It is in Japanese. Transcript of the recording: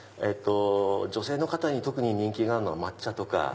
女性の方に特に人気があるのは抹茶とか。